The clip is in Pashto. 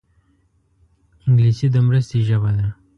انګلیسي د مرستې ژبه ده